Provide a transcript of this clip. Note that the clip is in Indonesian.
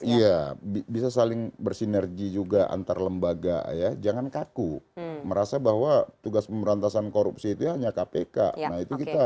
iya bisa saling bersinergi juga antar lembaga ya jangan kaku merasa bahwa tugas pemberantasan korupsi itu hanya kpk nah itu kita